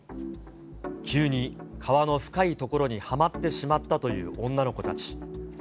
急に川の深い所にはまってしまったという女の子たち。